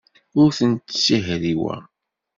Ur tent-ssihriweɣ.